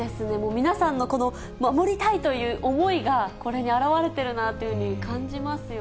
皆さんのこの守りたいという思いが、これに表れてるなというふうに感じますよね。